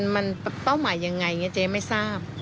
มันเป้าหมายยังไงอย่างนี้เจ๊ไม่ทราบ